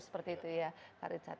seperti itu ya karin